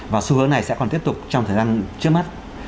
và xu hướng này sẽ còn tiếp tục trong thời gian trước mắt